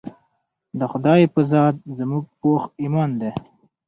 د خدائے پۀ ذات زمونږ پوخ ايمان دے